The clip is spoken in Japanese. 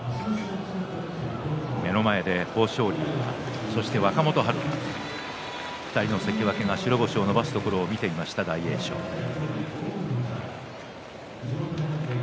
目の前で豊昇龍がそして若元春が２人の関脇が白星を伸ばすところを見ていました大栄翔です。